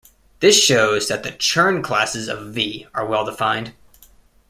This shows that the Chern classes of "V" are well-defined.